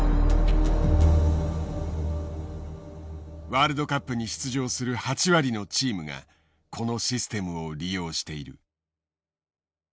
ワールドカップに出場する８割のチームがこのシステムを利用している。